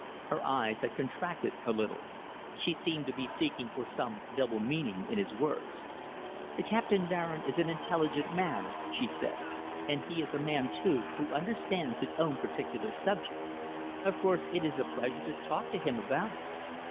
Her eyes had contracted a little. She seemed to be seeking for some double meaning in his words. "Captain Baring is an intelligent man," she said, "and he is a man, too, who understands his own particular subject. Of course it is a pleasure to talk to him about it."